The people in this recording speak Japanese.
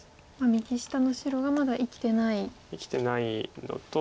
右下の白がまだ生きてないので。